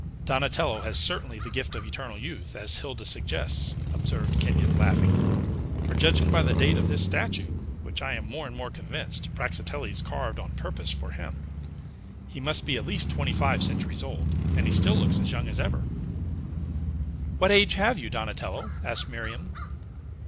"Donatello has certainly the gift of eternal youth, as Hilda suggests," observed Kenyon, laughing; "for, judging by the date of this statue, which, I am more and more convinced, Praxiteles carved on purpose for him, he must be at least twenty five centuries old, and he still looks as young as ever." "What age have you, Donatello?" asked Miriam.